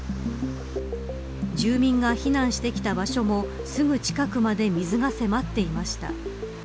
住民が避難してきた場所もすぐ近くまで水が迫っていました。